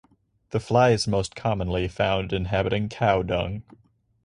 The fly is most commonly found inhabiting cow dung.